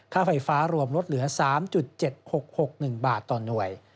ค่าไฟฟ้ารวมลดเหลือ๓๗๖๖๑บาทต่อหน่วย